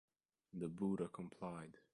The Buddha complied.